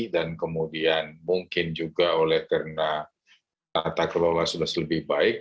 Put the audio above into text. dan kemudian mungkin juga oleh karena kata kelola sudah lebih baik